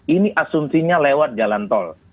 ini asumsinya lewat jalan tol